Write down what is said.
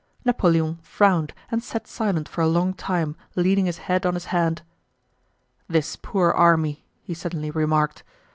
Napoleon frowned and sat silent for a long time leaning his head on his hand. "This poor army!" he suddenly remarked.